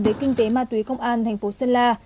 về kinh tế ma túy công an tp sơn la